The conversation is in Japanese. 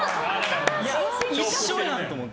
一緒やん！って思って。